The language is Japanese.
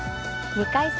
２回戦